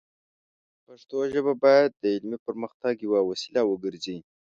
پښتو ژبه باید د علمي پرمختګ یوه وسیله وګرځي.